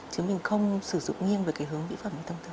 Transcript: chứ mình không sử dụng nghiêng về cái hướng mỹ phẩm tầm tờ